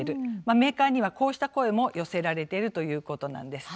メーカーにはこうした声も寄せられているということなんです。